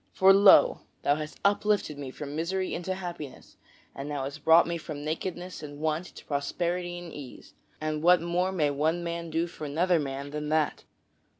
For lo! thou hast uplifted me from misery into happiness, and thou hast brought me from nakedness and want into prosperity and ease, and what more may one man do for another man than that?"